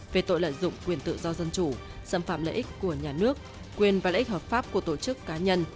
về tội lợi dụng quyền tự do dân chủ xâm phạm lợi ích của nhà nước quyền và lợi ích hợp pháp của tổ chức cá nhân